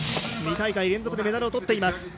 ２大会連続でメダルをとっています。